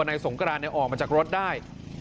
นายสงกรานออกมาจากรถได้